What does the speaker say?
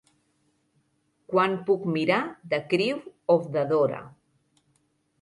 Quan puc mirar The Crew of the Dora